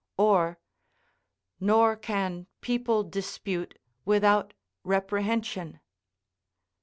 (Or:) "Nor can people dispute without reprehension."